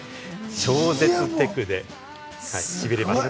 超絶テクで、痺れました。